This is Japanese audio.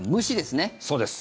そうです。